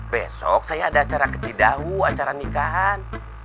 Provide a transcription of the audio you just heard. besok saya ada acara kecil dahulu acara nikahan